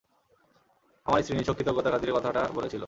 আমার স্ত্রী নিছক কৃতজ্ঞতার খাতিরে কথাটা বলেছিল।